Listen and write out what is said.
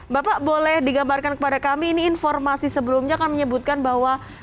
bapak boleh digambarkan kepada kami ini informasi sebelumnya kan menyebutkan bahwa